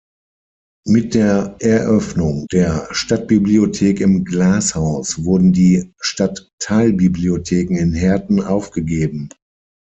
Mit der Eröffnung der Stadtbibliothek im Glashaus wurden die Stadtteilbibliotheken in Herten aufgegeben.